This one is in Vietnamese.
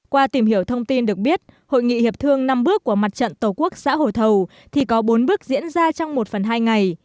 qua tìm hiểu thông tin được biết hội nghị hiệp thương năm bước của mặt trận tổ quốc xã hồ thầu thì có bốn bước diễn ra trong một phần hai ngày